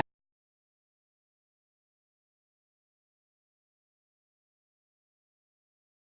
sepertinya karena kututup dua puluh tiga dari dua puluh enam barista